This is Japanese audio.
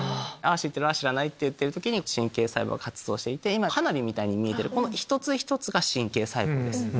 知ってる知らないって時に神経細胞が活動していて今花火みたいに見えてる一つ一つが神経細胞です。